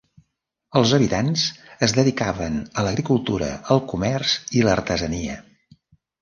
Els habitants es dedicaven a l'agricultura, el comerç i l'artesania.